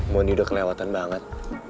mohon dia udah kelewatan banget